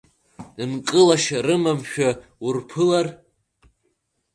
Нкылашьа рымамшәа урԥылар…